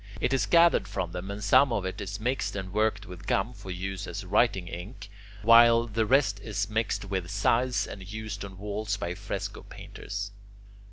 It is gathered from them, and some of it is mixed and worked with gum for use as writing ink, while the rest is mixed with size, and used on walls by fresco painters.